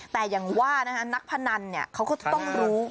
แต่อย่างว่านักพนันเขาก็จะต้องรู้